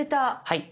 はい。